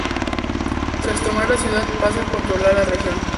Tras tomar la ciudad pasa a controlar la región.